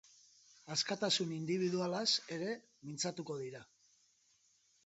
Askatasun indibidualaz ere mintzatuko dira.